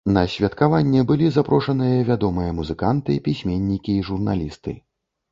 На святкаванне былі запрошаныя вядомыя музыканты, пісьменнікі і журналісты.